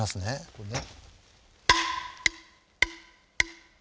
これね。